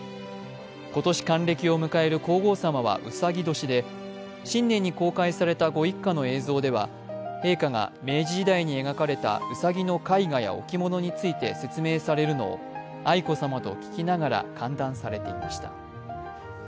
今年、還暦を迎える皇后さまはうさぎ年で新年に公開されたご一家の映像では陛下が明治時代に描かれたうさぎの絵画や置物について説明されるのを愛子さまと聞きながら歓談されていました。